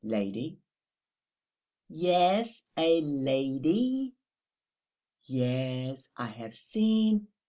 "Lady?" "Yes, a lady." "Yes, I have seen